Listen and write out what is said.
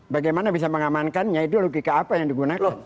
bagaimana bisa mengamankannya itu logika apa yang digunakan